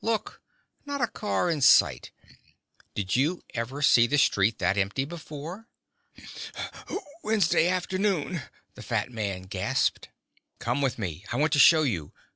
"Look. Not a car in sight. Did you ever see the street that empty before?" "Wednesday afternoon," the fat man gasped. "Come with me. I want to show you.